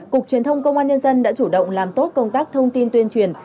cục truyền thông công an nhân dân đã chủ động làm tốt công tác thông tin tuyên truyền